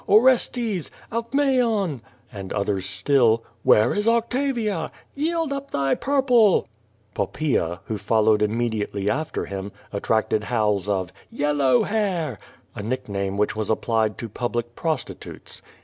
Orestes! Alcmaeon!" and others still, "Where is Octavia?" "Yield up thy pur ple!" Poppaea, wlio followed immediately after him, attracted howls of "Yellow Hair!" a nickname which was applied to public prostitutes.